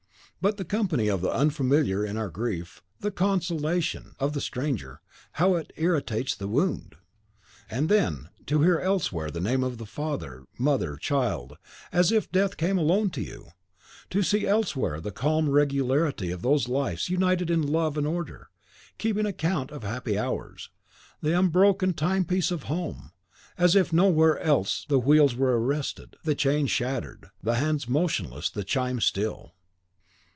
But the company of the unfamiliar in our grief, the consolation of the stranger, how it irritates the wound! And then, to hear elsewhere the name of father, mother, child, as if death came alone to you, to see elsewhere the calm regularity of those lives united in love and order, keeping account of happy hours, the unbroken timepiece of home, as if nowhere else the wheels were arrested, the chain shattered, the hands motionless, the chime still!